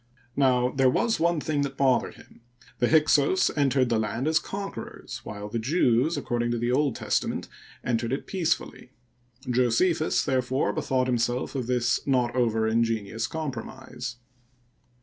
Now, there was one thing that both ered him. The Hyksos entered the land as conquerors, while the Jews, according to the Old Testament, entered it peacefully. Josephus, therefore, bethought himself of this not over ingenious compromise.